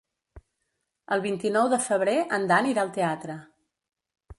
El vint-i-nou de febrer en Dan irà al teatre.